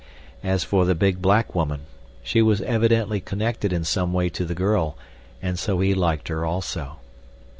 As for the big black woman, she was evidently connected in some way to the girl, and so he liked her, also.